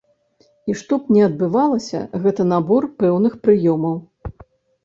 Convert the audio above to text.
І што б ні адбывалася, гэта набор пэўных прыёмаў.